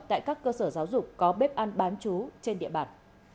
tại các cơ sở giáo dục có bếp ăn bán chú trên địa bàn